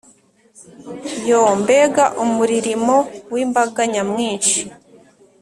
Yoo! Mbega umuririmo w’imbaga nyamwinshi,